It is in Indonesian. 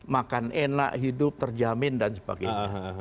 makan enak hidup terjamin dan sebagainya